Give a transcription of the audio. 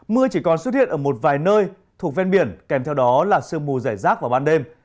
mưa chỉ còn xuất hiện ở một vài nơi thuộc ven biển kèm theo đó là sương mù giải rác vào ban đêm